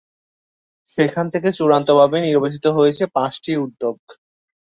সেখান থেকে চূড়ান্তভাবে নির্বাচিত হয়েছে পাঁচটি উদ্যোগ।